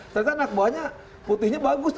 tadi kan nakbohanya putihnya bagus